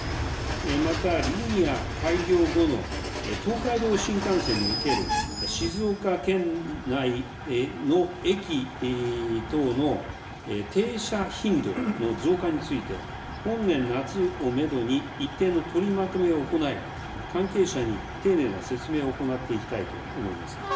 またリニア開業後の東海道新幹線における静岡県内の駅等の停車頻度の増加について、本年夏をメドに一定の取りまとめを行い、関係者に丁寧な説明を行っていきたいと思います。